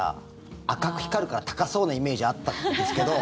赤く光るから、高そうなイメージあったんですけど